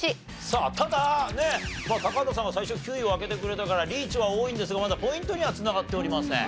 さあただね高畑さんが最初９位を開けてくれたからリーチは多いんですがまだポイントには繋がっておりません。